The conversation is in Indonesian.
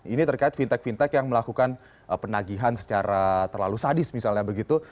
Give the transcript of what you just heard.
ini terkait fintech fintech yang melakukan penagihan secara terlalu sadis misalnya begitu